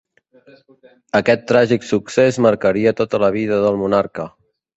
Aquest tràgic succés marcaria tota la vida del monarca.